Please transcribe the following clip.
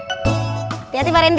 hati hati pak randy